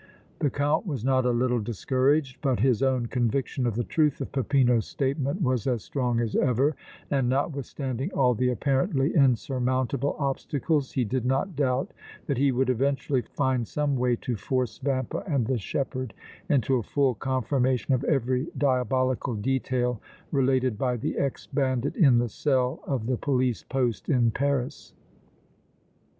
The Count was not a little discouraged, but his own conviction of the truth of Peppino's statement was as strong as ever and, notwithstanding all the apparently insurmountable obstacles, he did not doubt that he would eventually find some way to force Vampa and the shepherd into a full confirmation of every diabolical detail related by the ex bandit in the cell of the police poste in Paris.